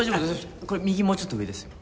これ右もうちょっと上ですよ。